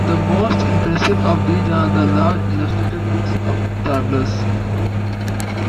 The most impressive of these are the large illustrated books of travellers.